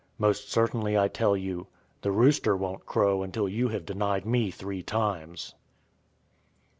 Most certainly I tell you, the rooster won't crow until you have denied me three times.